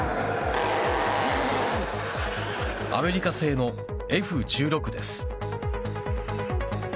アメリカ製のＦ−１６です。